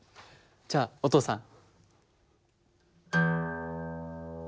じゃあお父さん。